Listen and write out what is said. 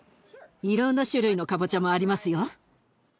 いろんな種類のかぼちゃもありますよ。